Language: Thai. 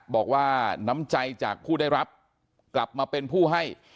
บอกว่าน้ำใจจากผู้ได้รับกลับมาเป็นผู้ให้